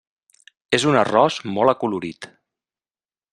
És un arròs molt acolorit.